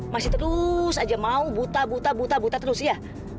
masih terus aja mau buta buta terus iya